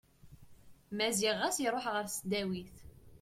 Maziɣ ɣas iruḥ ɣer tesdawit.